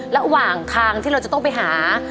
ระหว่างทางที่เราจะต้องไปหา